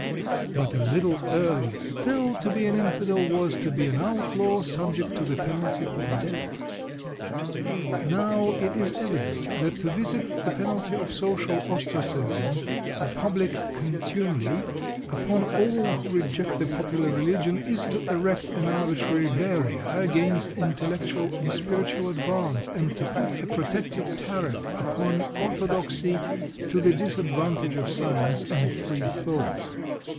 But a little earlier still, to be an Infidel was to be an outlaw, subject to the penalty of death. Now, it is evident that to visit the penalty of social ostracism or public contumely upon all who reject the popular religion is to erect an arbitrary barrier against intellectual and spiritual advance, and to put a protective tariff upon orthodoxy to the disadvantage of science and free thought.